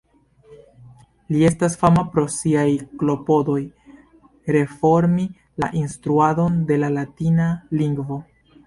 Li estas fama pro siaj klopodoj reformi la instruadon de la latina lingvo.